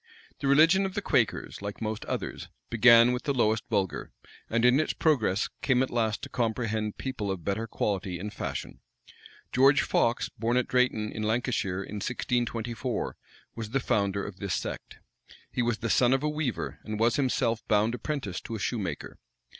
The religion of the Quakers, like most others, began with the lowest vulgar, and, in its progress, came at last to comprehend people of better quality and fashion. George Fox, born at Drayton, in Lancashire, in 1624, was the founder of this sect. He was the son of a weaver, and was himself bound apprentice to a shoemaker.